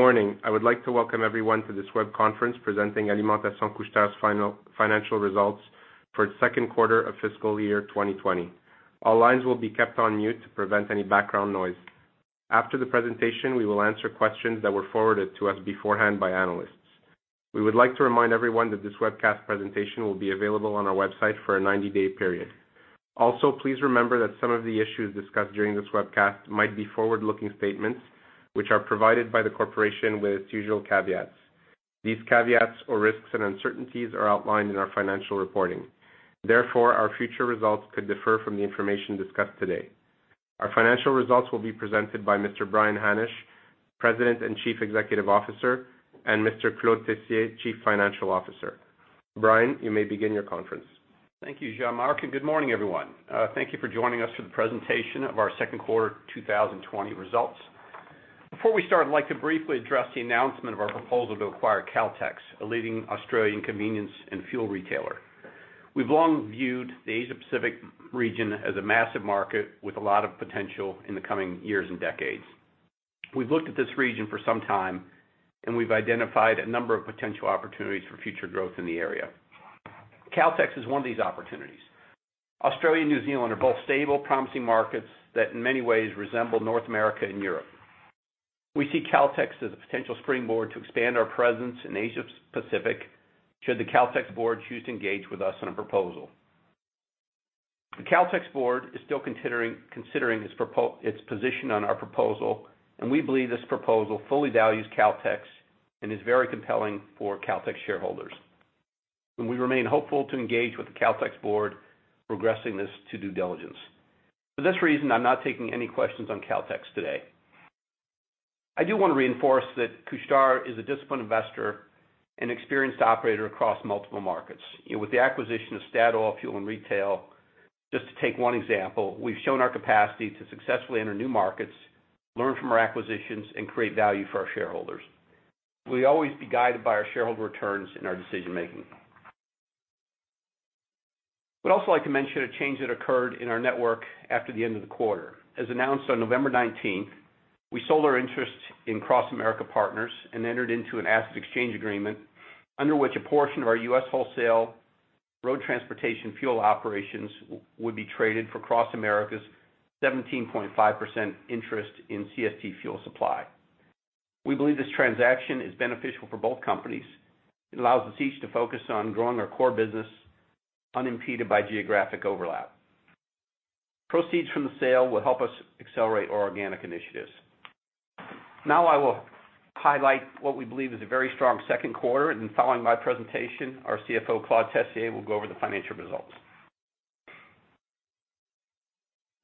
Morning. I would like to welcome everyone to this web conference presenting Alimentation Couche-Tard's financial results for its second quarter of fiscal year 2020. All lines will be kept on mute to prevent any background noise. After the presentation, we will answer questions that were forwarded to us beforehand by analysts. We would like to remind everyone that this webcast presentation will be available on our website for a 90-day period. Please remember that some of the issues discussed during this webcast might be forward-looking statements, which are provided by the corporation with its usual caveats. These caveats or risks and uncertainties are outlined in our financial reporting. Our future results could differ from the information discussed today. Our financial results will be presented by Mr. Brian Hannasch, President and Chief Executive Officer, and Mr. Claude Tessier, Chief Financial Officer. Brian, you may begin your conference. Thank you, Jean-Marc, and good morning, everyone. Thank you for joining us for the presentation of our second quarter 2020 results. Before we start, I'd like to briefly address the announcement of our proposal to acquire Caltex, a leading Australian convenience and fuel retailer. We've long viewed the Asia-Pacific region as a massive market with a lot of potential in the coming years and decades. We've looked at this region for some time, and we've identified a number of potential opportunities for future growth in the area. Caltex is one of these opportunities. Australia and New Zealand are both stable, promising markets that in many ways resemble North America and Europe. We see Caltex as a potential springboard to expand our presence in Asia-Pacific, should the Caltex board choose to engage with us on a proposal. The Caltex board is still considering its position on our proposal. We believe this proposal fully values Caltex and is very compelling for Caltex shareholders. We remain hopeful to engage with the Caltex board, progressing this to due diligence. For this reason, I'm not taking any questions on Caltex today. I do want to reinforce that Couche-Tard is a disciplined investor and experienced operator across multiple markets. With the acquisition of Statoil Fuel & Retail, just to take one example, we've shown our capacity to successfully enter new markets, learn from our acquisitions, and create value for our shareholders. We'll always be guided by our shareholder returns in our decision-making. We'd also like to mention a change that occurred in our network after the end of the quarter. As announced on November 19th, we sold our interest in CrossAmerica Partners and entered into an asset exchange agreement, under which a portion of our U.S. wholesale road transportation fuel operations would be traded for CrossAmerica's 17.5% interest in CST Fuel Supply. We believe this transaction is beneficial for both companies. It allows us each to focus on growing our core business unimpeded by geographic overlap. Proceeds from the sale will help us accelerate our organic initiatives. I will highlight what we believe is a very strong second quarter, and then following my presentation, our CFO, Claude Tessier, will go over the financial results.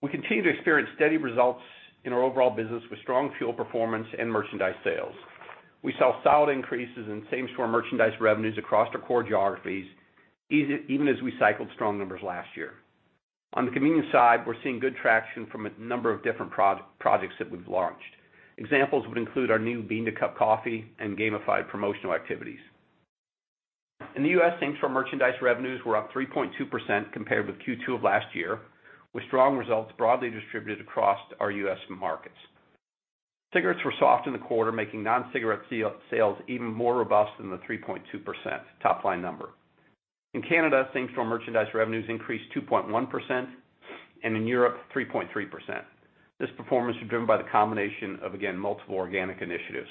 We continue to experience steady results in our overall business with strong fuel performance and merchandise sales. We saw solid increases in same-store merchandise revenues across our core geographies, even as we cycled strong numbers last year. On the convenience side, we're seeing good traction from a number of different projects that we've launched. Examples would include our new bean-to-cup coffee and gamified promotional activities. In the U.S., same-store merchandise revenues were up 3.2% compared with Q2 of last year, with strong results broadly distributed across our U.S. markets. Cigarettes were soft in the quarter, making non-cigarette sales even more robust than the 3.2% top-line number. In Canada, same-store merchandise revenues increased 2.1%. In Europe, 3.3%. This performance was driven by the combination of, again, multiple organic initiatives.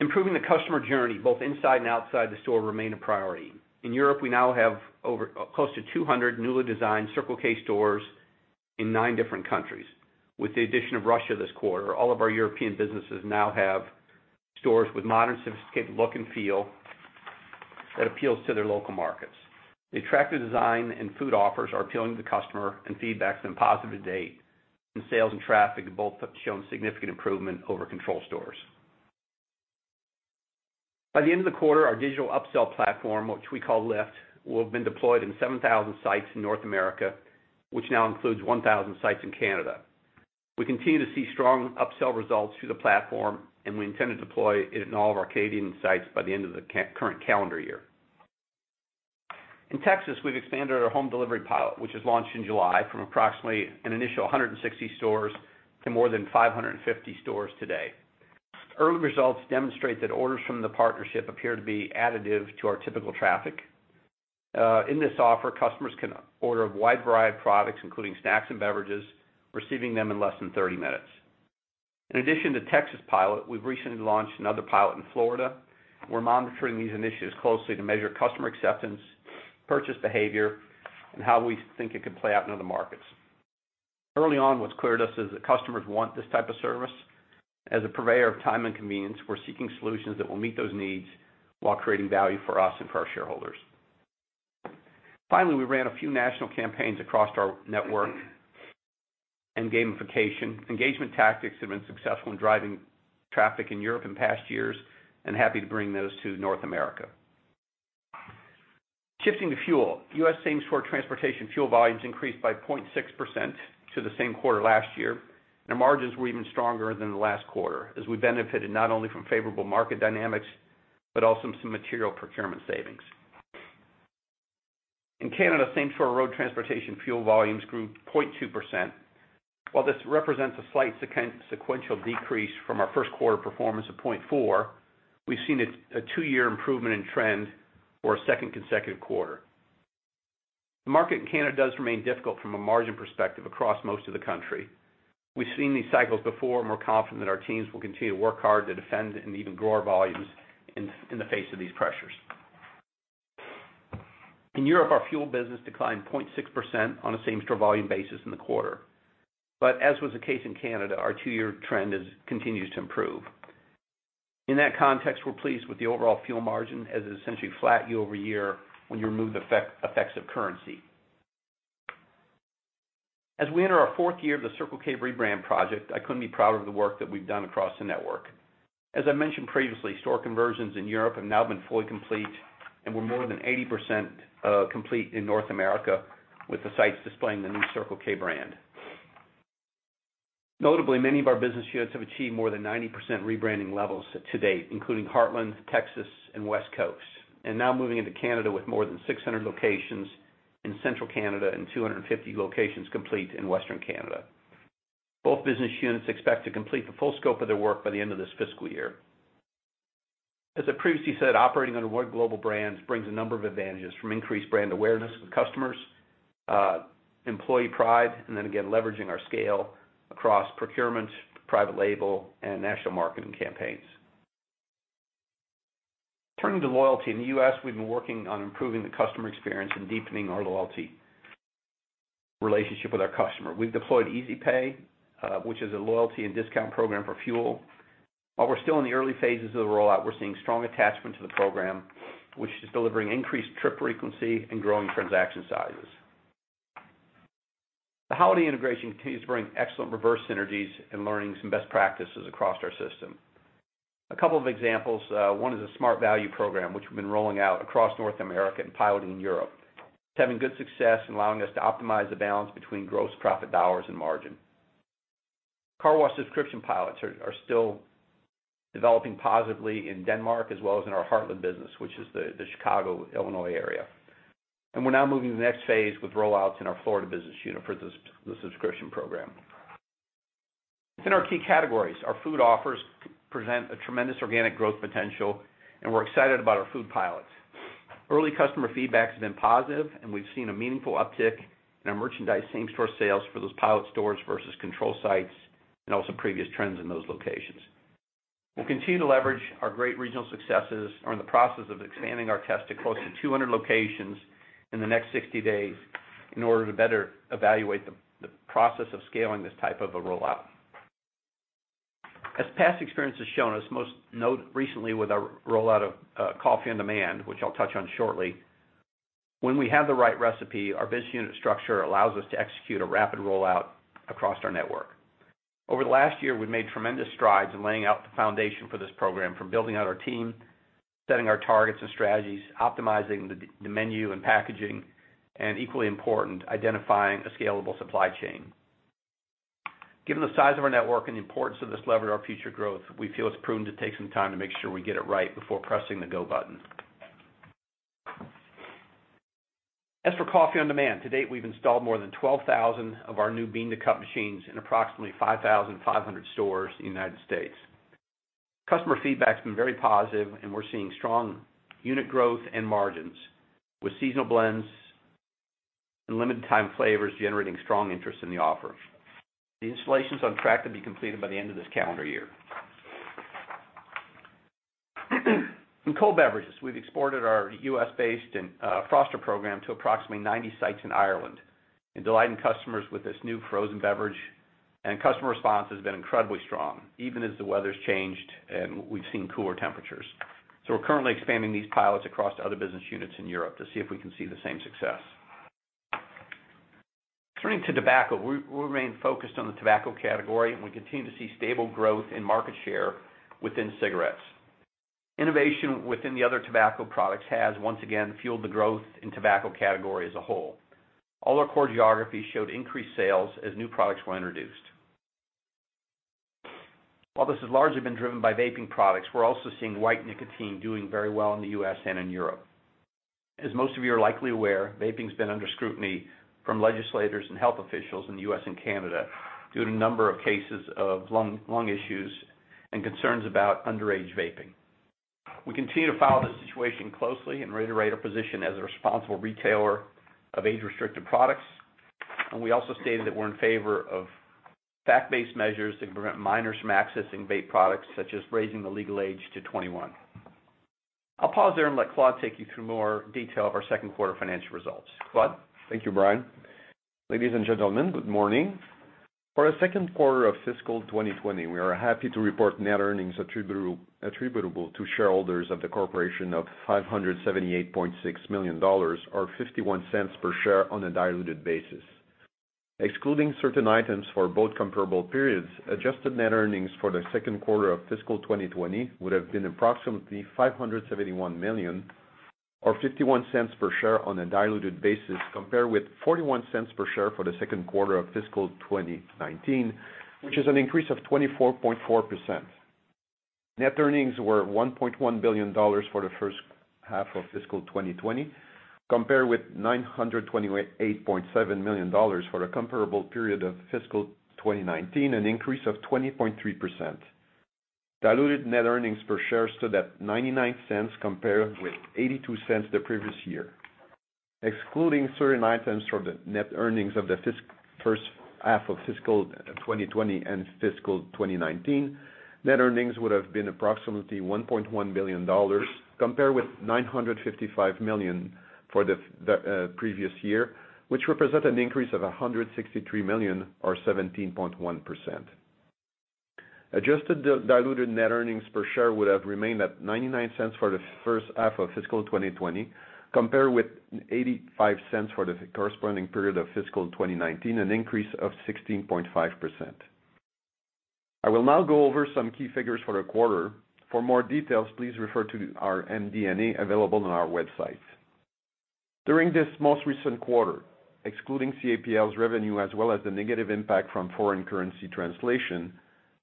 Improving the customer journey, both inside and outside the store, remain a priority. In Europe, we now have close to 200 newly designed Circle K stores in nine different countries. With the addition of Russia this quarter, all of our European businesses now have stores with modern, sophisticated look and feel that appeals to their local markets. The attractive design and food offers are appealing to the customer. Feedback's been positive to date. Sales and traffic have both shown significant improvement over control stores. By the end of the quarter, our digital upsell platform, which we call LIFT, will have been deployed in 7,000 sites in North America, which now includes 1,000 sites in Canada. We continue to see strong upsell results through the platform. We intend to deploy it in all of our Canadian sites by the end of the current calendar year. In Texas, we've expanded our home delivery pilot, which was launched in July, from approximately an initial 160 stores to more than 550 stores today. Early results demonstrate that orders from the partnership appear to be additive to our typical traffic. In this offer, customers can order a wide variety of products, including snacks and beverages, receiving them in less than 30 minutes. In addition to Texas pilot, we've recently launched another pilot in Florida. We're monitoring these initiatives closely to measure customer acceptance, purchase behavior, and how we think it could play out in other markets. Early on, what's clear to us is that customers want this type of service. As a purveyor of time and convenience, we're seeking solutions that will meet those needs while creating value for us and for our shareholders. Finally, we ran a few national campaigns across our network and gamification. Engagement tactics have been successful in driving traffic in Europe in past years and happy to bring those to North America. Shifting to fuel. U.S. same-store transportation fuel volumes increased by 0.6% to the same quarter last year. The margins were even stronger than the last quarter as we benefited not only from favorable market dynamics, but also some material procurement savings. In Canada, same-store road transportation fuel volumes grew 0.2%. While this represents a slight sequential decrease from our first quarter performance of 0.4%, we've seen a two-year improvement in trend for a second consecutive quarter. The market in Canada does remain difficult from a margin perspective across most of the country. We've seen these cycles before and we're confident that our teams will continue to work hard to defend and even grow our volumes in the face of these pressures. In Europe, our fuel business declined 0.6% on a same-store volume basis in the quarter. As was the case in Canada, our two-year trend continues to improve. In that context, we're pleased with the overall fuel margin, as it is essentially flat year-over-year when you remove the effects of currency. As we enter our fourth year of the Circle K rebrand project, I couldn't be prouder of the work that we've done across the network. As I mentioned previously, store conversions in Europe have now been fully complete, and we're more than 80% complete in North America with the sites displaying the new Circle K brand. Notably, many of our business units have achieved more than 90% rebranding levels to date, including Heartland, Texas, and West Coast, and now moving into Canada with more than 600 locations in central Canada and 250 locations complete in Western Canada. Both business units expect to complete the full scope of their work by the end of this fiscal year. As I previously said, operating under one global brand brings a number of advantages from increased brand awareness with customers, employee pride, and then again, leveraging our scale across procurement, private label, and national marketing campaigns. Turning to loyalty. In the U.S., we've been working on improving the customer experience and deepening our loyalty relationship with our customer. We've deployed Easy Pay, which is a loyalty and discount program for fuel. While we're still in the early phases of the rollout, we're seeing strong attachment to the program, which is delivering increased trip frequency and growing transaction sizes. The Holiday integration continues to bring excellent reverse synergies and learnings and best practices across our system. A couple of examples, one is a Smart Value program, which we've been rolling out across North America and piloting in Europe. It's having good success in allowing us to optimize the balance between gross profit dollars and margin. Car wash subscription pilots are still developing positively in Denmark as well as in our Heartland business, which is the Chicago, Illinois area. We're now moving to the next phase with rollouts in our Florida business unit for the subscription program. Within our key categories, our food offers present a tremendous organic growth potential, and we're excited about our food pilots. Early customer feedback has been positive, and we've seen a meaningful uptick in our merchandise same-store sales for those pilot stores versus control sites and also previous trends in those locations. We'll continue to leverage our great regional successes, are in the process of expanding our test to close to 200 locations in the next 60 days in order to better evaluate the process of scaling this type of a rollout. As past experience has shown us, most note recently with our rollout of Coffee On Demand, which I'll touch on shortly, when we have the right recipe, our biz unit structure allows us to execute a rapid rollout across our network. Over the last year, we've made tremendous strides in laying out the foundation for this program, from building out our team, setting our targets and strategies, optimizing the menu and packaging, and equally important, identifying a scalable supply chain. Given the size of our network and the importance of this lever to our future growth, we feel it's prudent to take some time to make sure we get it right before pressing the go button. As for Coffee On Demand, to date, we've installed more than 12,000 of our new bean-to-cup machines in approximately 5,500 stores in the United States. Customer feedback has been very positive, and we're seeing strong unit growth and margins with seasonal blends and limited-time flavors generating strong interest in the offer. The installation is on track to be completed by the end of this calendar year. In cold beverages, we've exported our U.S.-based Froster program to approximately 90 sites in Ireland and delighting customers with this new frozen beverage, and customer response has been incredibly strong, even as the weather's changed and we've seen cooler temperatures. We're currently expanding these pilots across to other business units in Europe to see if we can see the same success. Turning to tobacco, we remain focused on the tobacco category, and we continue to see stable growth in market share within cigarettes. Innovation within the other tobacco products has once again fueled the growth in tobacco category as a whole. All our core geographies showed increased sales as new products were introduced. While this has largely been driven by vaping products, we're also seeing white nicotine doing very well in the U.S. and in Europe. As most of you are likely aware, vaping's been under scrutiny from legislators and health officials in the U.S. and Canada due to a number of cases of lung issues and concerns about underage vaping. We continue to follow the situation closely and reiterate our position as a responsible retailer of age-restricted products, and we also stated that we're in favor of fact-based measures to prevent minors from accessing vape products, such as raising the legal age to 21. I'll pause there and let Claude take you through more detail of our second quarter financial results. Claude? Thank you, Brian. Ladies and gentlemen, good morning. For the second quarter of fiscal 2020, we are happy to report net earnings attributable to shareholders of the corporation of 578.6 million dollars, or 0.51 per share on a diluted basis. Excluding certain items for both comparable periods, adjusted net earnings for the second quarter of fiscal 2020 would have been approximately 571 million or 0.51 per share on a diluted basis, compared with 0.41 per share for the second quarter of fiscal 2019, which is an increase of 24.4%. Net earnings were 1.1 billion dollars for the first half of fiscal 2020, compared with 928.7 million dollars for the comparable period of fiscal 2019, an increase of 20.3%. Diluted net earnings per share stood at 0.99 compared with 0.82 the previous year. Excluding certain items from the net earnings of the first half of fiscal 2020 and fiscal 2019, net earnings would have been approximately 1.1 billion dollars, compared with 955 million for the previous year, which represent an increase of 163 million, or 17.1%. Adjusted diluted net earnings per share would have remained at 0.99 for the first half of fiscal 2020, compared with 0.85 for the corresponding period of fiscal 2019, an increase of 16.5%. I will now go over some key figures for the quarter. For more details, please refer to our MD&A available on our website. During this most recent quarter, excluding CAPL's revenue as well as the negative impact from foreign currency translation,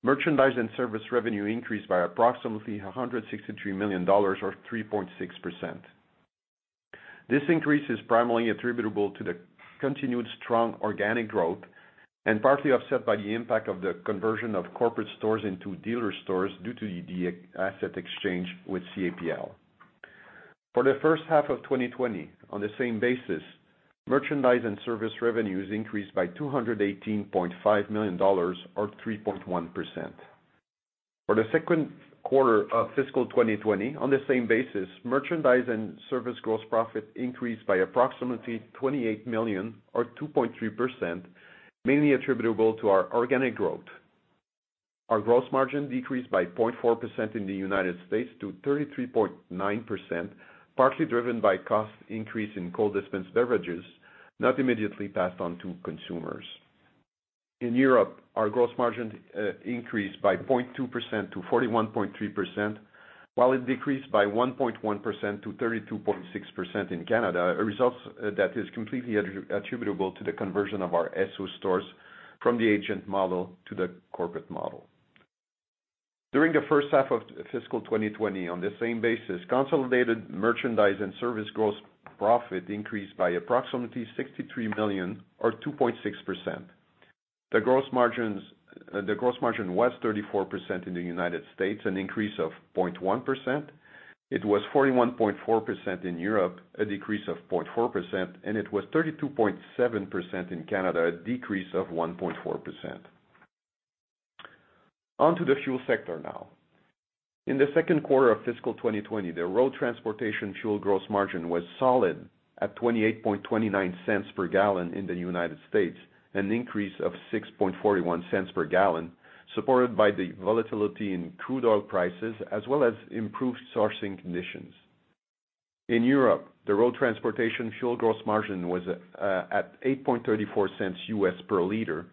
merchandise and service revenue increased by approximately 163 million dollars, or 3.6%. This increase is primarily attributable to the continued strong organic growth and partly offset by the impact of the conversion of corporate stores into dealer stores due to the asset exchange with CAPL. For the first half of 2020, on the same basis, merchandise and service revenues increased by 218.5 million dollars or 3.1%. For the second quarter of fiscal 2020, on the same basis, merchandise and service gross profit increased by approximately 28 million or 2.3%, mainly attributable to our organic growth. Our gross margin decreased by 0.4% in the U.S. to 33.9%, partly driven by cost increase in cold dispense beverages, not immediately passed on to consumers. In Europe, our gross margin increased by 0.2% to 41.3%, while it decreased by 1.1% to 32.6% in Canada, a result that is completely attributable to the conversion of our Esso stores from the agent model to the corporate model. During the first half of fiscal 2020, on the same basis, consolidated merchandise and service gross profit increased by approximately 63 million or 2.6%. The gross margin was 34% in the U.S., an increase of 0.1%. It was 41.4% in Europe, a decrease of 0.4%, It was 32.7% in Canada, a decrease of 1.4%. On to the fuel sector now. In the second quarter of fiscal 2020, the road transportation fuel gross margin was solid at 0.2829 per gallon in the U.S., an increase of 0.0641 per gallon, supported by the volatility in crude oil prices, as well as improved sourcing conditions. In Europe, the road transportation fuel gross margin was at $0.0834 U.S. per liter,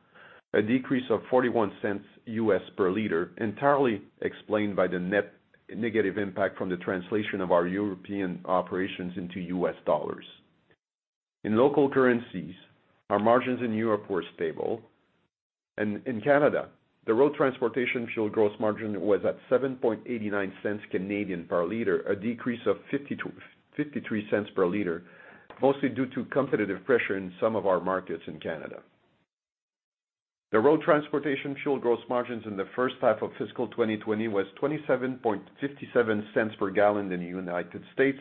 a decrease of $0.41 U.S. per liter, entirely explained by the net negative impact from the translation of our European operations into U.S. dollars. In local currencies, our margins in Europe were stable. In Canada, the road transportation fuel gross margin was at 0.0789 per liter, a decrease of 0.0053 per liter, mostly due to competitive pressure in some of our markets in Canada. The road transportation fuel gross margins in the first half of fiscal 2020 was $0.2757 per gallon in the United States,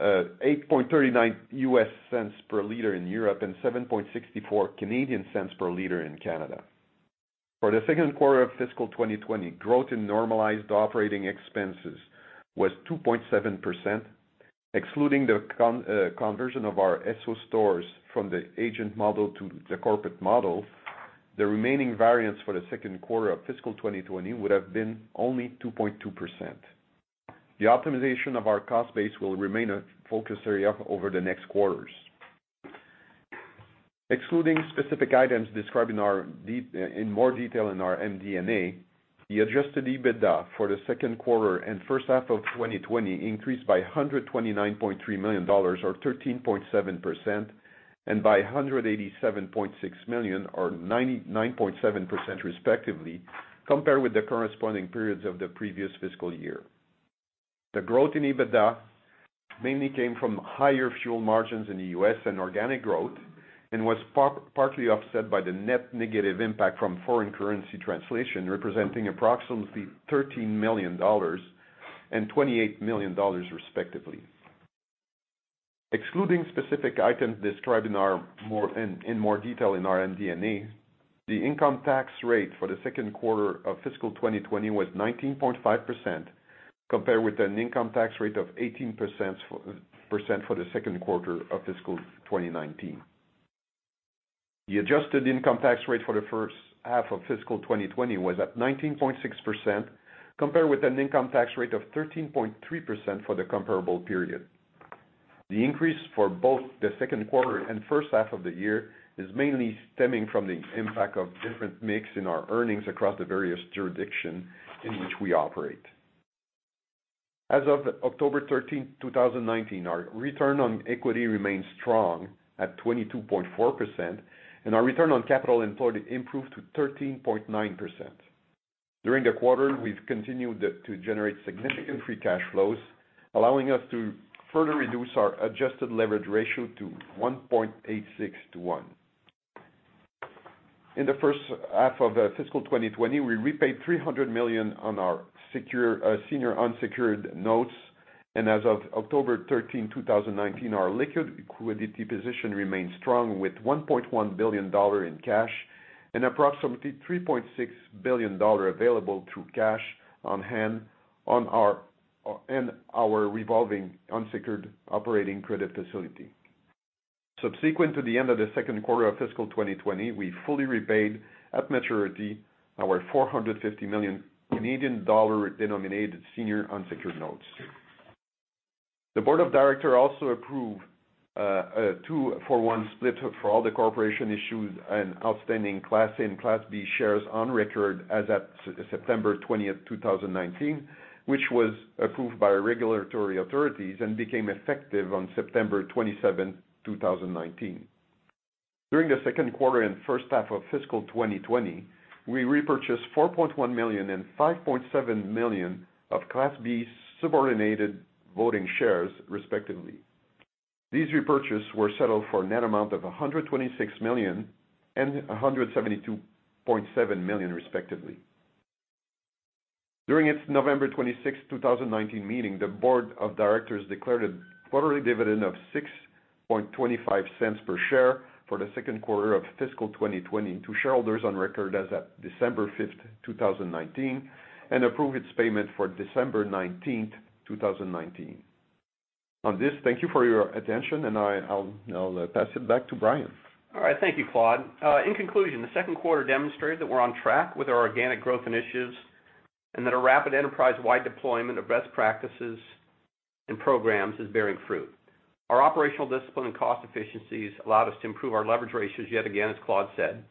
$0.0839 per liter in Europe, and 0.0764 per liter in Canada. For the second quarter of fiscal 2020, growth in normalized operating expenses was 2.7%, excluding the conversion of our Esso stores from the agent model to the corporate model. The remaining variance for the second quarter of fiscal 2020 would have been only 2.2%. The optimization of our cost base will remain a focus area over the next quarters. Excluding specific items described in more detail in our MD&A, the adjusted EBITDA for the second quarter and first half of 2020 increased by 129.3 million dollars or 13.7%, and by CAD 187.6 million or 9.7% respectively, compared with the corresponding periods of the previous fiscal year. The growth in EBITDA mainly came from higher fuel margins in the U.S. and organic growth and was partly offset by the net negative impact from foreign currency translation, representing approximately 13 million dollars and 28 million dollars respectively. Excluding specific items described in more detail in our MD&A, the income tax rate for the second quarter of fiscal 2020 was 19.5%, compared with an income tax rate of 18% for the second quarter of fiscal 2019. The adjusted income tax rate for the first half of fiscal 2020 was at 19.6%, compared with an income tax rate of 13.3% for the comparable period. The increase for both the second quarter and first half of the year is mainly stemming from the impact of different mix in our earnings across the various jurisdictions in which we operate. As of October 13, 2019, our return on equity remains strong at 22.4%, and our return on capital employed improved to 13.9%. During the quarter, we've continued to generate significant free cash flows, allowing us to further reduce our adjusted leverage ratio to 1.86 to one. In the first half of fiscal 2020, we repaid 300 million on our senior unsecured notes, and as of October 13, 2019, our liquidity position remains strong with 1.1 billion dollar in cash and approximately 3.6 billion dollar available through cash on hand in our revolving unsecured operating credit facility. Subsequent to the end of the second quarter of fiscal 2020, we fully repaid at maturity our 450 million Canadian dollar-denominated senior unsecured notes. The board of directors also approved a 2-for-1 split for all the corporation issues and outstanding Class A and Class B shares on record as at September 20, 2019, which was approved by regulatory authorities and became effective on September 27, 2019. During the second quarter and first half of fiscal 2020, we repurchased 4.1 million and 5.7 million of Class B subordinated voting shares respectively. These repurchases were settled for a net amount of 126 million and 172.7 million respectively. During its November 26, 2019 meeting, the board of directors declared a quarterly dividend of 0.0625 per share for the second quarter of fiscal 2020 to shareholders on record as at December 5, 2019, and approved its payment for December 19, 2019. On this, thank you for your attention, and I'll pass it back to Brian. All right. Thank you, Claude. In conclusion, the second quarter demonstrated that we're on track with our organic growth initiatives and that a rapid enterprise-wide deployment of best practices and programs is bearing fruit. Our operational discipline and cost efficiencies allowed us to improve our leverage ratios yet again, as Claude said.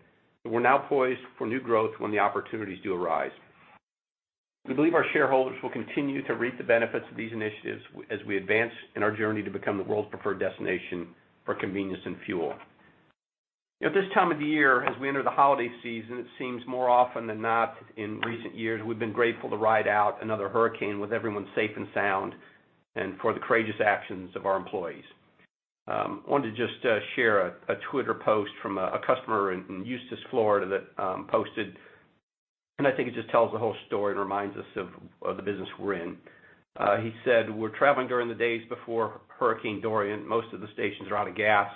We're now poised for new growth when the opportunities do arise. We believe our shareholders will continue to reap the benefits of these initiatives as we advance in our journey to become the world's preferred destination for convenience and fuel. At this time of the year, as we enter the holiday season, it seems more often than not in recent years, we've been grateful to ride out another hurricane with everyone safe and sound, for the courageous actions of our employees. I wanted to just share a Twitter post from a customer in Eustis, Florida that posted, and I think it just tells the whole story and reminds us of the business we're in. He said, "We're traveling during the days before Hurricane Dorian. Most of the stations are out of gas.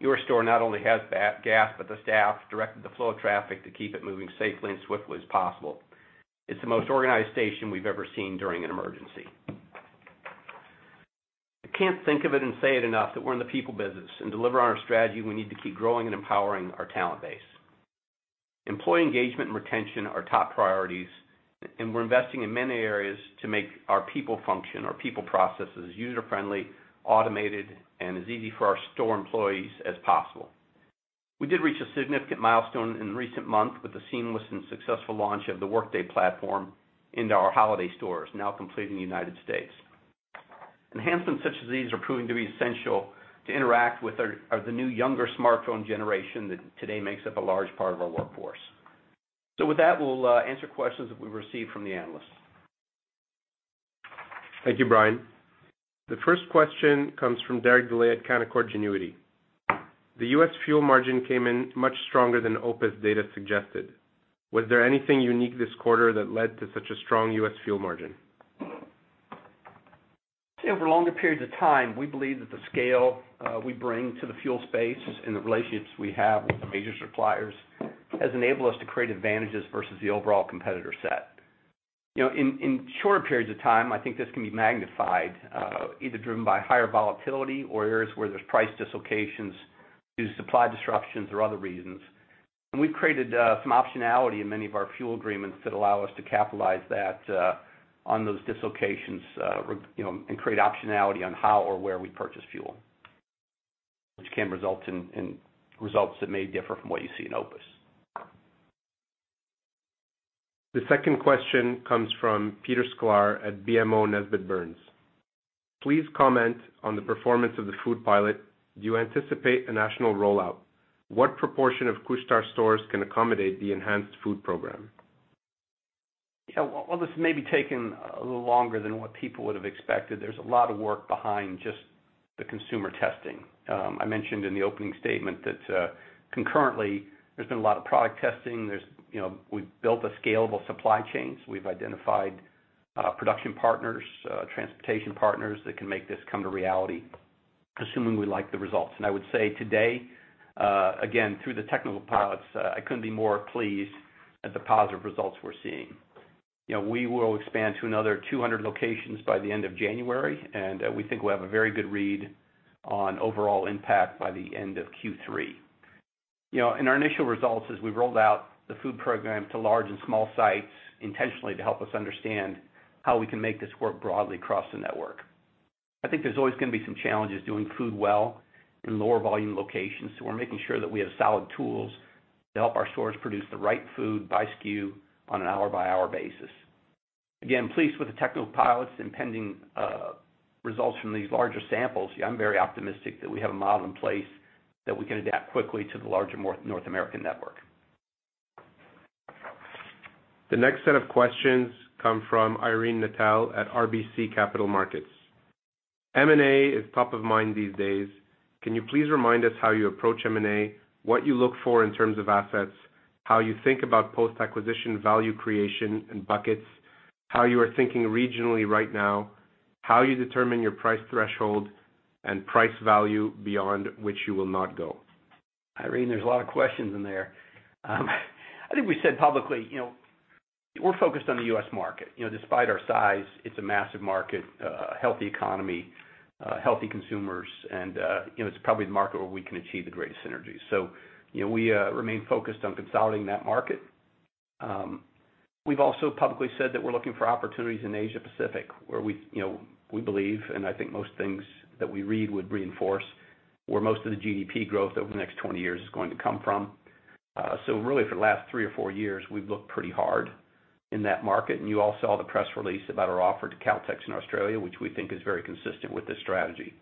Your store not only has gas, but the staff directed the flow of traffic to keep it moving safely and swiftly as possible. It's the most organized station we've ever seen during an emergency." I can't think of it and say it enough that we're in the people business, and to deliver on our strategy, we need to keep growing and empowering our talent base. Employee engagement and retention are top priorities, and we're investing in many areas to make our people function, our people processes user-friendly, automated, and as easy for our store employees as possible. We did reach a significant milestone in the recent month with the seamless and successful launch of the Workday platform into our Holiday stores, now complete in the United States. Enhancements such as these are proving to be essential to interact with the new younger smartphone generation that today makes up a large part of our workforce. With that, we'll answer questions that we've received from the analysts. Thank you, Brian. The first question comes from Derek Dley at Canaccord Genuity. The U.S. fuel margin came in much stronger than OPIS data suggested. Was there anything unique this quarter that led to such a strong U.S. fuel margin? Over longer periods of time, we believe that the scale we bring to the fuel space and the relationships we have with the major suppliers has enabled us to create advantages versus the overall competitor set. In shorter periods of time, I think this can be magnified, either driven by higher volatility or areas where there's price dislocations due to supply disruptions or other reasons. We've created some optionality in many of our fuel agreements that allow us to capitalize that on those dislocations, and create optionality on how or where we purchase fuel, which can result in results that may differ from what you see in OPIS. The second question comes from Peter Sklar at BMO Nesbitt Burns. Please comment on the performance of the food pilot. Do you anticipate a national rollout? What proportion of Couche-Tard stores can accommodate the enhanced food program? Yeah. While this may be taking a little longer than what people would have expected, there's a lot of work behind just the consumer testing. I mentioned in the opening statement that concurrently, there's been a lot of product testing. We've built a scalable supply chain, so we've identified production partners, transportation partners that can make this come to reality, assuming we like the results. I would say today, again, through the technical pilots, I couldn't be more pleased at the positive results we're seeing. We will expand to another 200 locations by the end of January, and we think we'll have a very good read on overall impact by the end of Q3. In our initial results, as we rolled out the food program to large and small sites intentionally to help us understand how we can make this work broadly across the network. I think there's always going to be some challenges doing food well in lower volume locations. We're making sure that we have solid tools to help our stores produce the right food by SKU on an hour-by-hour basis. Again, pleased with the technical pilots and pending results from these larger samples. I'm very optimistic that we have a model in place that we can adapt quickly to the larger North American network. The next set of questions come from Irene Nattel at RBC Capital Markets. M&A is top of mind these days. Can you please remind us how you approach M&A, what you look for in terms of assets, how you think about post-acquisition value creation and buckets, how you are thinking regionally right now, how you determine your price threshold, and price value beyond which you will not go? Irene, there's a lot of questions in there. I think we said publicly, we're focused on the U.S. market. Despite our size, it's a massive market, a healthy economy, healthy consumers, and it's probably the market where we can achieve the greatest synergies. We remain focused on consolidating that market. We've also publicly said that we're looking for opportunities in Asia Pacific, where we believe, and I think most things that we read would reinforce, where most of the GDP growth over the next 20 years is going to come from. Really for the last three or four years, we've looked pretty hard in that market, and you all saw the press release about our offer to Caltex in Australia, which we think is very consistent with this strategy.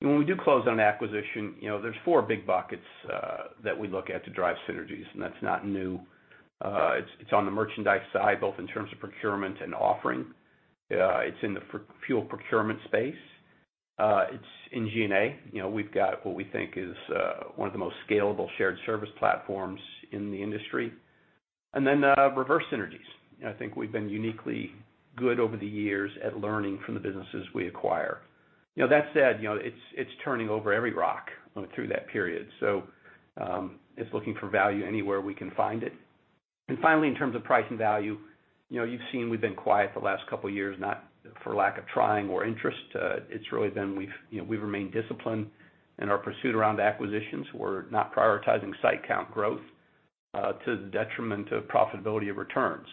When we do close on an acquisition, there's four big buckets that we look at to drive synergies, and that's not new. It's on the merchandise side, both in terms of procurement and offering. It's in the fuel procurement space. It's in G&A. We've got what we think is one of the most scalable shared service platforms in the industry. Then reverse synergies. I think we've been uniquely good over the years at learning from the businesses we acquire. That said, it's turning over every rock through that period. It's looking for value anywhere we can find it. Finally, in terms of price and value, you've seen we've been quiet the last couple of years, not for lack of trying or interest. It's really been we've remained disciplined in our pursuit around acquisitions. We're not prioritizing site count growth to the detriment of profitability of returns.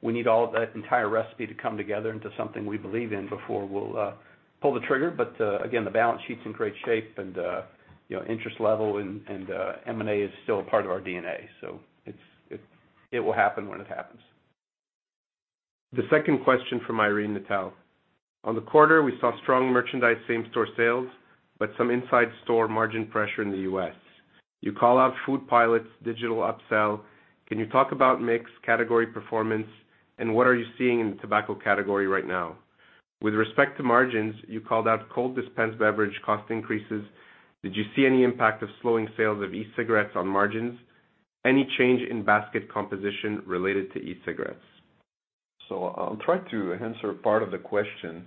We need all of that entire recipe to come together into something we believe in before we'll pull the trigger. Again, the balance sheet's in great shape, and interest level and M&A is still a part of our DNA. It will happen when it happens. The second question from Irene Nattel. On the quarter, we saw strong merchandise same-store sales, but some inside store margin pressure in the U.S. You call out food pilots, digital upsell. Can you talk about mix category performance, what are you seeing in the tobacco category right now? With respect to margins, you called out cold dispense beverage cost increases. Did you see any impact of slowing sales of e-cigarettes on margins? Any change in basket composition related to e-cigarettes? I'll try to answer part of the question,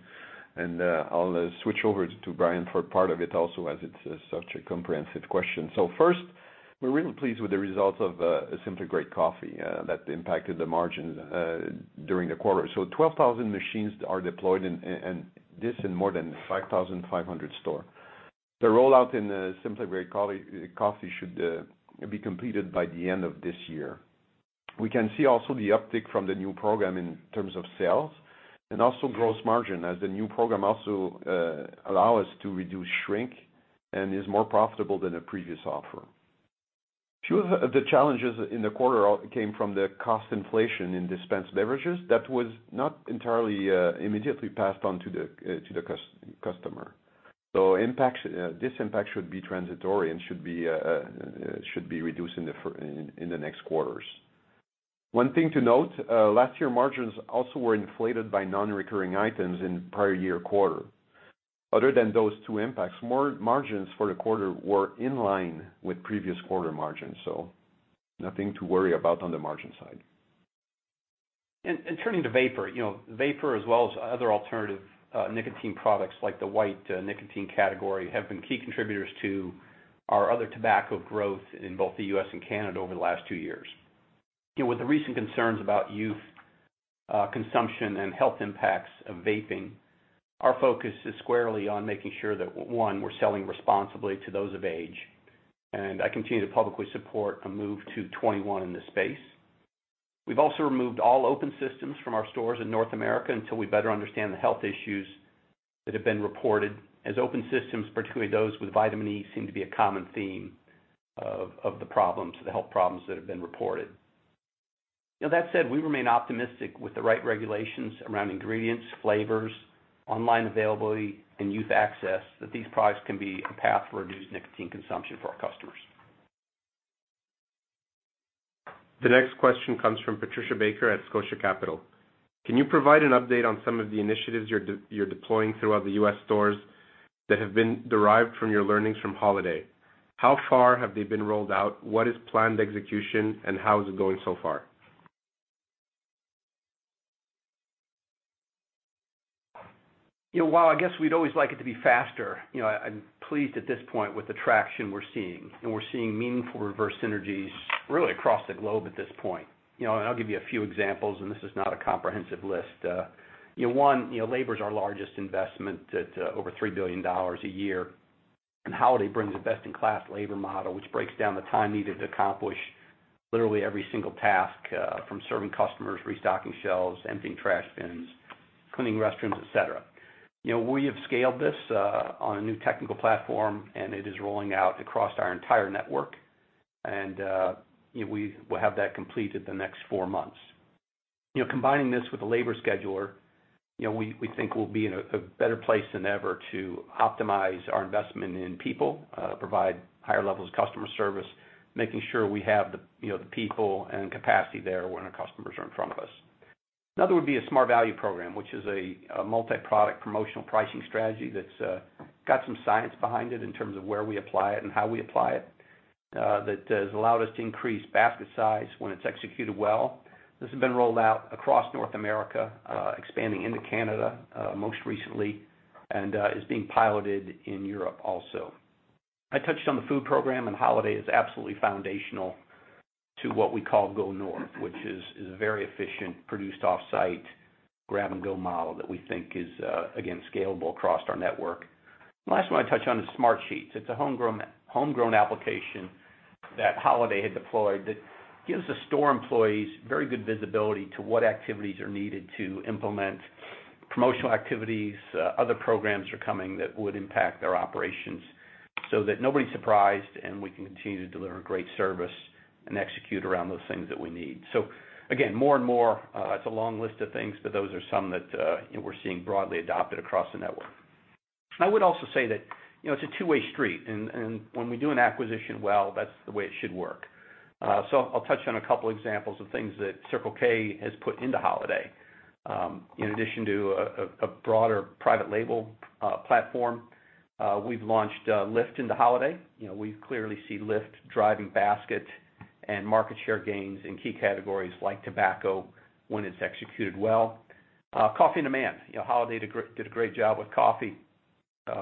and I'll switch over to Brian for part of it also, as it's such a comprehensive question. First, we're really pleased with the results of Simply Great Coffee that impacted the margins during the quarter. 12,000 machines are deployed, and this in more than 5,500 stores. The rollout in Simply Great Coffee should be completed by the end of this year. We can see also the uptick from the new program in terms of sales and also gross margin, as the new program also allow us to reduce shrink and is more profitable than the previous offer. Two of the challenges in the quarter came from the cost inflation in dispensed beverages that was not entirely immediately passed on to the customer. This impact should be transitory and should be reduced in the next quarters. One thing to note, last year margins also were inflated by non-recurring items in prior year quarter. Other than those two impacts, margins for the quarter were in line with previous quarter margins. Nothing to worry about on the margin side. Turning to vapor. Vapor as well as other alternative nicotine products like the white nicotine category have been key contributors to our other tobacco growth in both the U.S. and Canada over the last two years. With the recent concerns about youth consumption and health impacts of vaping, our focus is squarely on making sure that, one, we're selling responsibly to those of age. I continue to publicly support a move to 21 in this space. We've also removed all open systems from our stores in North America until we better understand the health issues that have been reported, as open systems, particularly those with vitamin E, seem to be a common theme of the health problems that have been reported. That said, we remain optimistic with the right regulations around ingredients, flavors, online availability, and youth access, that these products can be a path for reduced nicotine consumption for our customers. The next question comes from Patricia Baker at Scotia Capital. Can you provide an update on some of the initiatives you're deploying throughout the U.S. stores that have been derived from your learnings from Holiday? How far have they been rolled out? What is planned execution, and how is it going so far? While I guess we'd always like it to be faster, I'm pleased at this point with the traction we're seeing, and we're seeing meaningful reverse synergies really across the globe at this point. I'll give you a few examples, and this is not a comprehensive list. One, labor is our largest investment at over 3 billion dollars a year. Holiday brings a best-in-class labor model, which breaks down the time needed to accomplish literally every single task from serving customers, restocking shelves, emptying trash bins, cleaning restrooms, et cetera. We have scaled this on a new technical platform, and it is rolling out across our entire network. We will have that complete at the next four months. Combining this with a labor scheduler, we think we'll be in a better place than ever to optimize our investment in people, provide higher levels of customer service, making sure we have the people and capacity there when our customers are in front of us. Another would be a Smart Value program, which is a multi-product promotional pricing strategy that's got some science behind it in terms of where we apply it and how we apply it, that has allowed us to increase basket size when it's executed well. This has been rolled out across North America, expanding into Canada, most recently, and is being piloted in Europe also. I touched on the food program, and Holiday is absolutely foundational to what we call Go North, which is a very efficient, produced off-site grab-and-go model that we think is, again, scalable across our network. Last one I touch on is Smartsheet. It's a homegrown application that Holiday had deployed that gives the store employees very good visibility to what activities are needed to implement promotional activities. Other programs are coming that would impact their operations so that nobody's surprised and we can continue to deliver great service and execute around those things that we need. Again, more and more, it's a long list of things, but those are some that we're seeing broadly adopted across the network. I would also say that it's a two-way street, and when we do an acquisition well, that's the way it should work. I'll touch on a couple examples of things that Circle K has put into Holiday. In addition to a broader private label platform, we've launched LIFT into Holiday. We clearly see LIFT driving basket and market share gains in key categories like tobacco when it's executed well. Coffee On Demand, Holiday did a great job with coffee.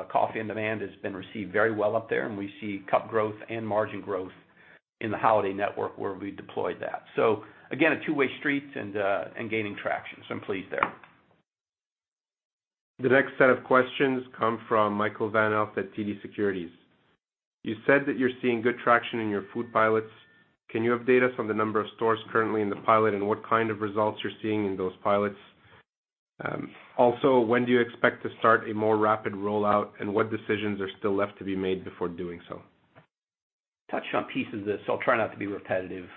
Coffee On Demand has been received very well up there, and we see cup growth and margin growth in the Holiday network where we deployed that. Again, a two-way street and gaining traction. I'm pleased there. The next set of questions come from Michael Van Aelst at TD Securities. You said that you're seeing good traction in your food pilots. Can you update us on the number of stores currently in the pilot and what kind of results you're seeing in those pilots? When do you expect to start a more rapid rollout, and what decisions are still left to be made before doing so? Touched on pieces of this. I'll try not to be repetitive.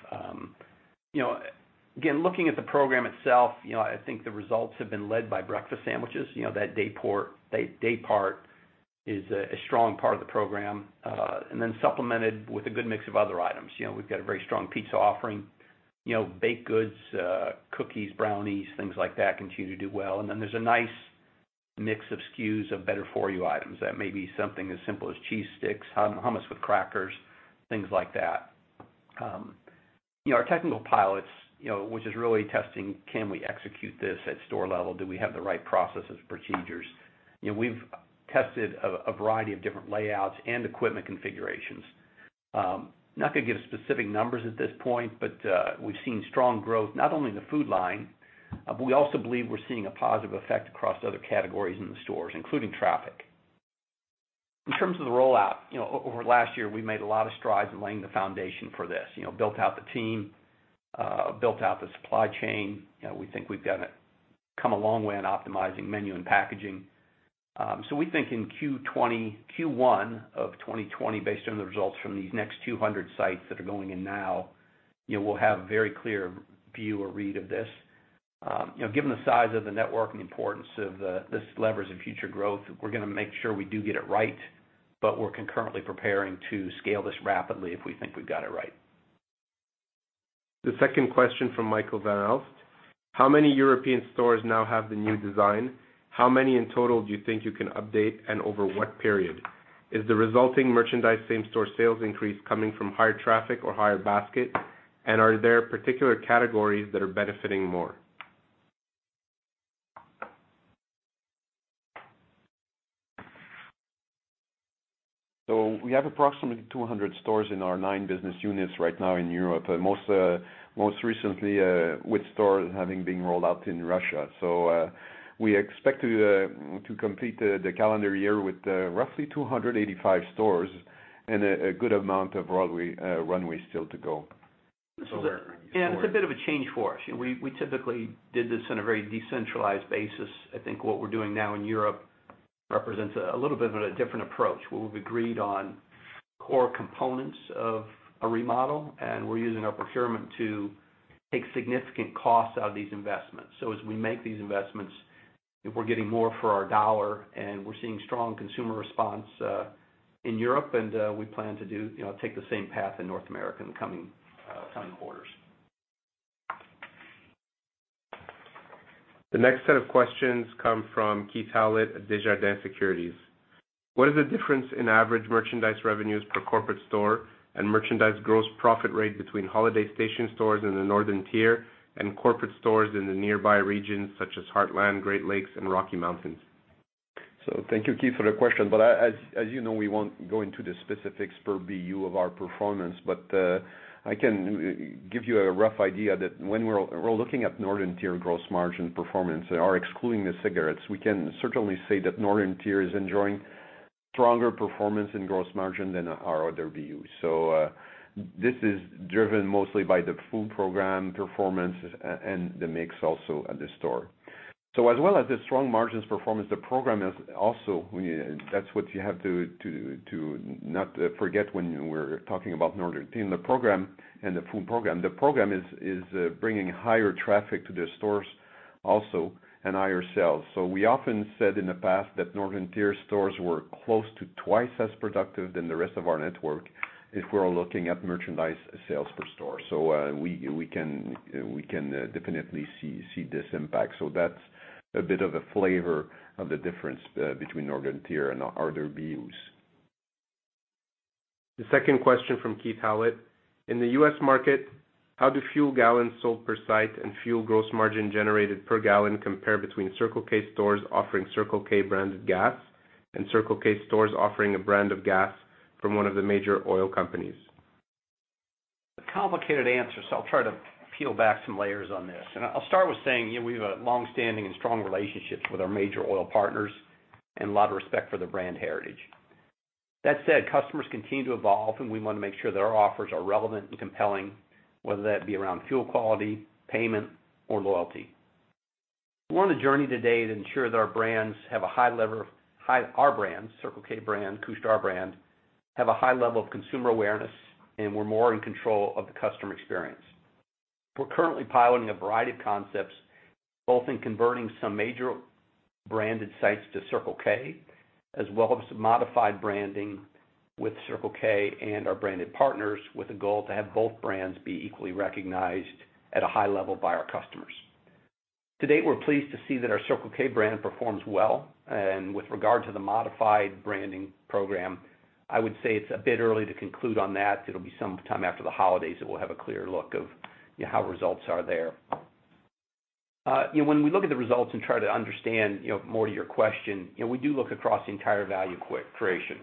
Looking at the program itself, I think the results have been led by breakfast sandwiches. That day part is a strong part of the program, supplemented with a good mix of other items. We've got a very strong pizza offering, baked goods, cookies, brownies, things like that continue to do well. There's a nice mix of SKUs of better-for-you items. That may be something as simple as cheese sticks, hummus with crackers, things like that. Our technical pilots, which is really testing, can we execute this at store level? Do we have the right processes, procedures? We've tested a variety of different layouts and equipment configurations. I'm not going to give specific numbers at this point, but we've seen strong growth, not only in the food line, but we also believe we're seeing a positive effect across other categories in the stores, including traffic. In terms of the rollout, over last year, we made a lot of strides in laying the foundation for this, built out the team, built out the supply chain. We think we've come a long way in optimizing menu and packaging. We think in Q1 of 2020, based on the results from these next 200 sites that are going in now, we'll have a very clear view or read of this. Given the size of the network and the importance of this levers of future growth, we're going to make sure we do get it right, but we're concurrently preparing to scale this rapidly if we think we've got it right. The second question from Michael Van Aelst. How many European stores now have the new design? How many in total do you think you can update and over what period? Is the resulting merchandise same-store sales increase coming from higher traffic or higher basket? Are there particular categories that are benefiting more? We have approximately 200 stores in our nine business units right now in Europe, most recently with stores having been rolled out in Russia. We expect to complete the calendar year with roughly 285 stores and a good amount of runway still to go. Yeah, it's a bit of a change for us. We typically did this on a very decentralized basis. I think what we're doing now in Europe represents a little bit of a different approach, where we've agreed on core components of a remodel, and we're using our procurement to take significant costs out of these investments. As we make these investments, we're getting more for our dollar, and we're seeing strong consumer response in Europe, and we plan to take the same path in North America in the coming quarters. The next set of questions come from Keith Howlett at Desjardins Securities. What is the difference in average merchandise revenues per corporate store and merchandise gross profit rate between Holiday Stationstores in the Northern Tier and corporate stores in the nearby regions such as Heartland, Great Lakes, and Rocky Mountains? Thank you, Keith, for the question. As you know, we won't go into the specifics per BU of our performance, but I can give you a rough idea that when we're looking at Northern Tier gross margin performance or excluding the cigarettes, we can certainly say that Northern Tier is enjoying stronger performance in gross margin than our other BUs. This is driven mostly by the food program performance and the mix also at the store. As well as the strong margins performance, That's what you have to not forget when we're talking about Northern Tier. The program and the food program. The program is bringing higher traffic to the stores also, and higher sales. We often said in the past that Northern Tier stores were close to twice as productive than the rest of our network if we are looking at merchandise sales per store. We can definitely see this impact. That's a bit of a flavor of the difference between Northern Tier and other BUs. The second question from Keith Howlett: in the U.S. market, how do fuel gallons sold per site and fuel gross margin generated per gallon compare between Circle K stores offering Circle K branded gas and Circle K stores offering a brand of gas from one of the major oil companies? It's a complicated answer. I'll try to peel back some layers on this. I'll start with saying we have longstanding and strong relationships with our major oil partners and a lot of respect for the brand heritage. That said, customers continue to evolve, and we want to make sure that our offers are relevant and compelling, whether that be around fuel quality, payment or loyalty. We're on a journey today to ensure that our brands, Circle K brand, Couche-Tard brand, have a high level of consumer awareness, and we're more in control of the customer experience. We're currently piloting a variety of concepts, both in converting some major branded sites to Circle K, as well as some modified branding with Circle K and our branded partners, with a goal to have both brands be equally recognized at a high level by our customers. To date, we're pleased to see that our Circle K brand performs well. With regard to the modified branding program, I would say it's a bit early to conclude on that. It'll be sometime after the holidays that we'll have a clear look of how results are there. When we look at the results and try to understand more to your question, we do look across the entire value creation.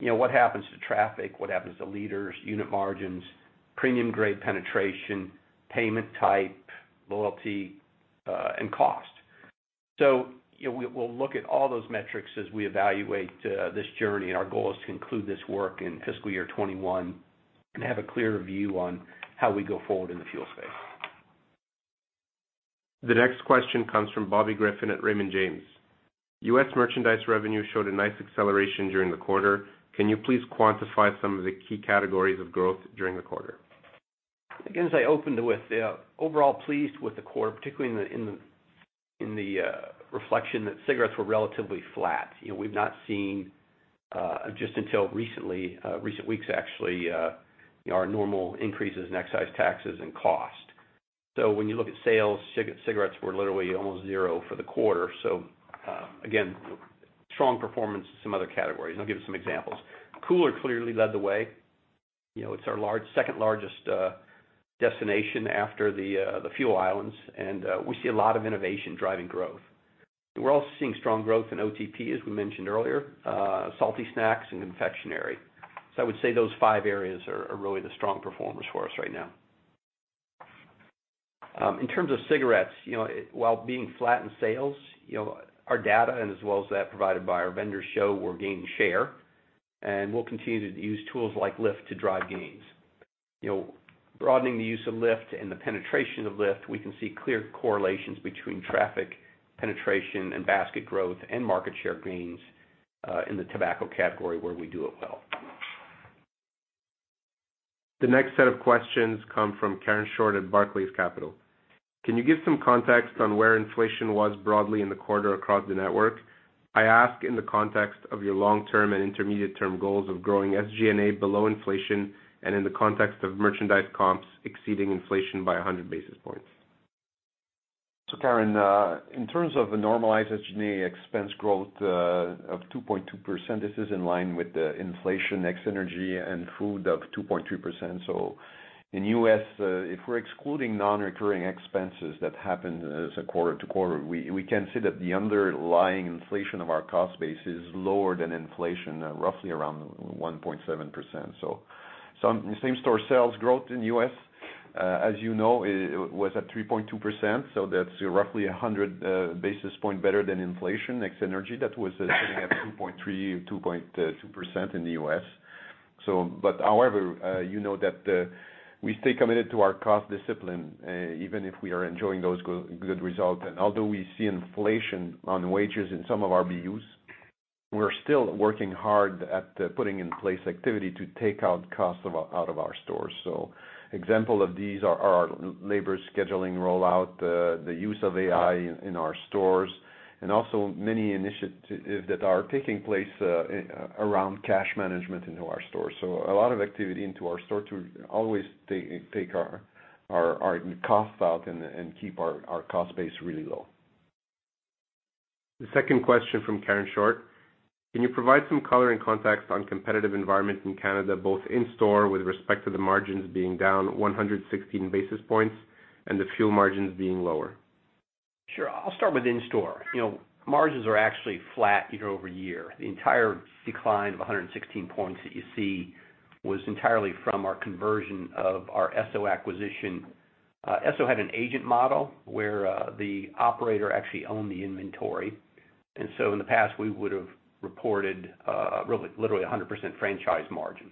What happens to traffic, what happens to liters, unit margins, premium grade penetration, payment type, loyalty, and cost. We'll look at all those metrics as we evaluate this journey, and our goal is to conclude this work in fiscal year 2021 and have a clearer view on how we go forward in the fuel space. The next question comes from Bobby Griffin at Raymond James. U.S. merchandise revenue showed a nice acceleration during the quarter. Can you please quantify some of the key categories of growth during the quarter? Overall pleased with the quarter, particularly in the reflection that cigarettes were relatively flat. We've not seen, just until recent weeks actually, our normal increases in excise taxes and cost. Cigarettes were literally almost zero for the quarter. Strong performance in some other categories, and I'll give you some examples. Cooler clearly led the way. It's our second largest destination after the fuel islands, and we see a lot of innovation driving growth. We're also seeing strong growth in OTP, as we mentioned earlier, salty snacks and confectionary. Those five areas are really the strong performers for us right now. In terms of cigarettes, while being flat in sales, our data and as well as that provided by our vendors show we're gaining share, and we'll continue to use tools like LIFT to drive gains. Broadening the use of LIFT and the penetration of LIFT, we can see clear correlations between traffic penetration and basket growth and market share gains, in the tobacco category where we do it well. The next set of questions come from Karen Short at Barclays Capital. Can you give some context on where inflation was broadly in the quarter across the network? I ask in the context of your long-term and intermediate-term goals of growing SG&A below inflation and in the context of merchandise comps exceeding inflation by 100 basis points. Karen, in terms of the normalized SG&A expense growth of 2.2%, this is in line with the inflation ex energy and food of 2.2%. In U.S., if we're excluding non-recurring expenses that happen as a quarter to quarter, we can see that the underlying inflation of our cost base is lower than inflation, roughly around 1.7%. Same store sales growth in U.S., as you know, was at 3.2%, that's roughly 100 basis points better than inflation ex energy. That was sitting at 2.3% or 2.2% in the U.S. However, you know that we stay committed to our cost discipline, even if we are enjoying those good results. Although we see inflation on wages in some of our BUs, we're still working hard at putting in place activity to take out costs out of our stores. Example of these are our labor scheduling rollout, the use of AI in our stores, and also many initiatives that are taking place around cash management into our stores. A lot of activity into our store to always take our costs out and keep our cost base really low. The second question from Karen Short: can you provide some color and context on competitive environment in Canada, both in-store with respect to the margins being down 116 basis points and the fuel margins being lower? Sure. I'll start with in-store. Margins are actually flat year-over-year. The entire decline of 116 points that you see was entirely from our conversion of our Esso acquisition. Esso had an agent model where the operator actually owned the inventory. In the past, we would've reported literally 100% franchise margin.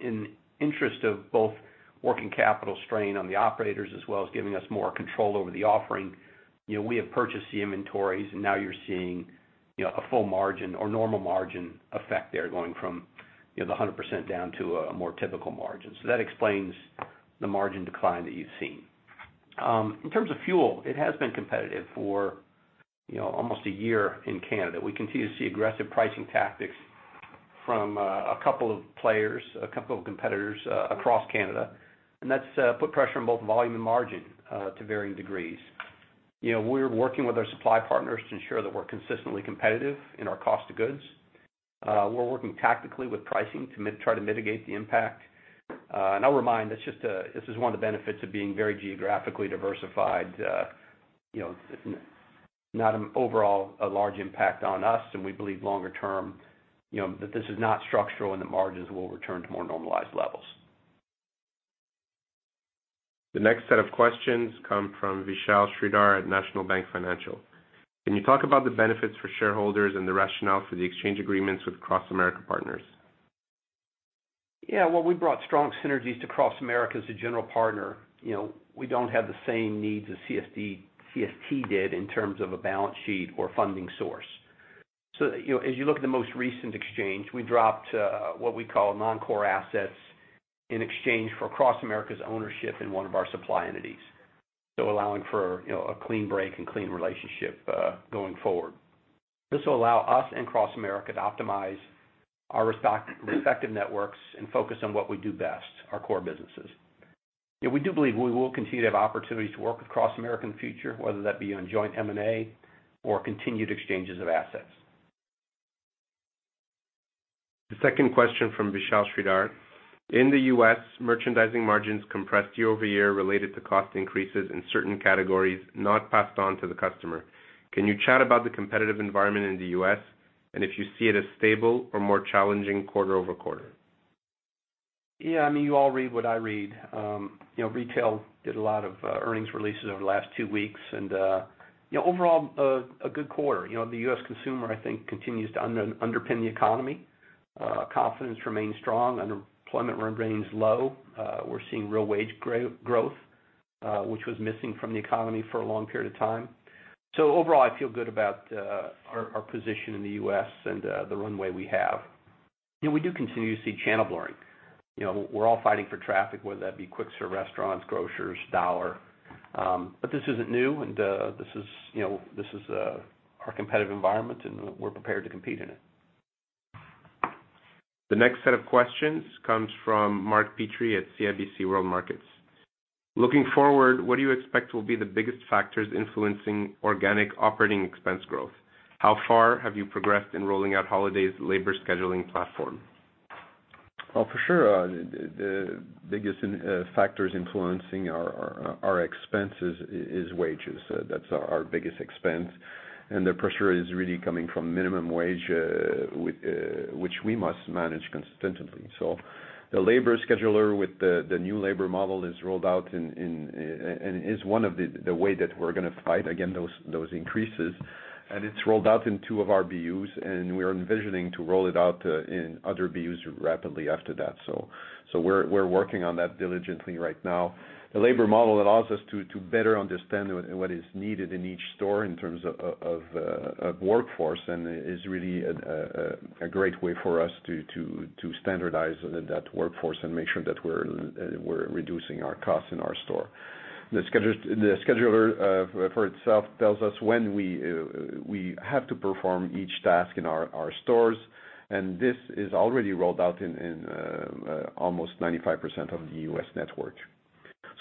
In interest of both working capital strain on the operators as well as giving us more control over the offering, we have purchased the inventories, and now you're seeing a full margin or normal margin effect there, going from the 100% down to a more typical margin. That explains the margin decline that you've seen. In terms of fuel, it has been competitive for almost a year in Canada. We continue to see aggressive pricing tactics from a couple of players, a couple of competitors across Canada, and that's put pressure on both volume and margin to varying degrees. We're working with our supply partners to ensure that we're consistently competitive in our cost of goods. We're working tactically with pricing to try to mitigate the impact. I'll remind, this is one of the benefits of being very geographically diversified, not an overall a large impact on us, and we believe longer term, that this is not structural and the margins will return to more normalized levels. The next set of questions come from Vishal Shreedhar at National Bank Financial. Can you talk about the benefits for shareholders and the rationale for the exchange agreements with CrossAmerica Partners? Well, we brought strong synergies to CrossAmerica as a general partner. We don't have the same needs as CST did in terms of a balance sheet or funding source. As you look at the most recent exchange, we dropped what we call non-core assets in exchange for CrossAmerica's ownership in one of our supply entities. Allowing for a clean break and clean relationship going forward, this will allow us and CrossAmerica to optimize our respective networks and focus on what we do best, our core businesses. We do believe we will continue to have opportunities to work with CrossAmerica in the future, whether that be on joint M&A or continued exchanges of assets. The second question from Vishal Shreedhar. In the U.S., merchandising margins compressed year-over-year related to cost increases in certain categories not passed on to the customer. Can you chat about the competitive environment in the U.S., and if you see it as stable or more challenging quarter-over-quarter? You all read what I read. Retail did a lot of earnings releases over the last two weeks, and overall, a good quarter. The U.S. consumer, I think, continues to underpin the economy. Confidence remains strong. Unemployment remains low. We're seeing real wage growth, which was missing from the economy for a long period of time. Overall, I feel good about our position in the U.S. and the runway we have. We do continue to see channel blurring. We're all fighting for traffic, whether that be quick-serve restaurants, grocers, dollar. This isn't new, and this is our competitive environment, and we're prepared to compete in it. The next set of questions comes from Mark Petrie at CIBC World Markets. Looking forward, what do you expect will be the biggest factors influencing organic operating expense growth? How far have you progressed in rolling out Holiday's labor scheduling platform? Well, for sure, the biggest factors influencing our expenses is wages. That's our biggest expense. The pressure is really coming from minimum wage, which we must manage consistently. The labor scheduler with the new labor model is one of the way that we're going to fight against those increases, and it's rolled out in 2 of our BUs, and we are envisioning to roll it out in other BUs rapidly after that. We're working on that diligently right now. The labor model allows us to better understand what is needed in each store in terms of workforce, and is really a great way for us to standardize that workforce and make sure that we're reducing our costs in our store. The scheduler for itself tells us when we have to perform each task in our stores, and this is already rolled out in almost 95% of the U.S. network.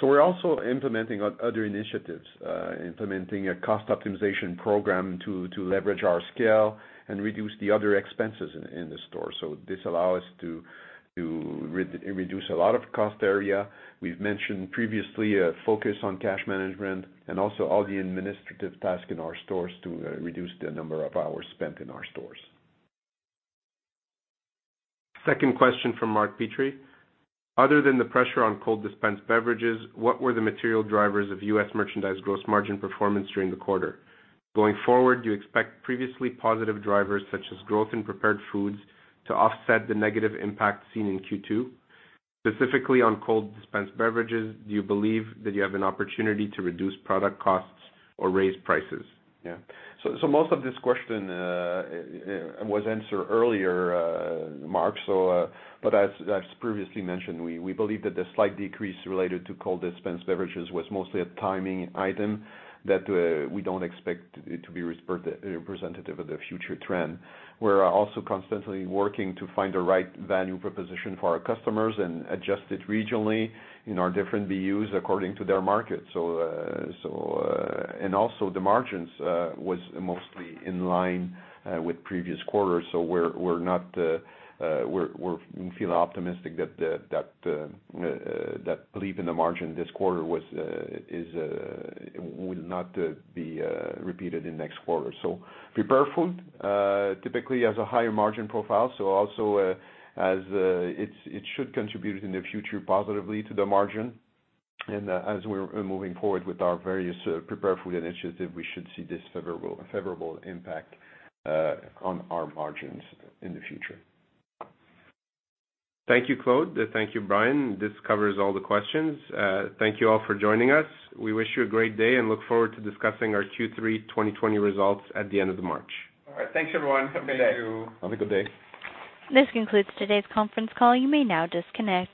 We're also implementing other initiatives, implementing a cost optimization program to leverage our scale and reduce the other expenses in the store. This allows us to reduce a lot of cost area. We've mentioned previously a focus on cash management and also all the administrative tasks in our stores to reduce the number of hours spent in our stores. Second question from Mark Petrie. Other than the pressure on cold dispensed beverages, what were the material drivers of U.S. merchandise gross margin performance during the quarter? Going forward, do you expect previously positive drivers such as growth in prepared foods to offset the negative impact seen in Q2? Specifically on cold dispensed beverages, do you believe that you have an opportunity to reduce product costs or raise prices? Most of this question was answered earlier, Mark, but as previously mentioned, we believe that the slight decrease related to cold dispensed beverages was mostly a timing item that we don't expect it to be representative of the future trend. We're also constantly working to find the right value proposition for our customers and adjust it regionally in our different BUs according to their market. Also the margins was mostly in line with previous quarters, we feel optimistic that belief in the margin this quarter will not be repeated in next quarter. Prepared food typically has a higher margin profile, also it should contribute in the future positively to the margin. As we're moving forward with our various prepared food initiative, we should see this favorable impact on our margins in the future. Thank you, Claude. Thank you, Brian. This covers all the questions. Thank you all for joining us. We wish you a great day and look forward to discussing our Q3 2020 results at the end of March. All right. Thanks, everyone. Thank you. Have a good day. Have a good day. This concludes today's conference call. You may now disconnect.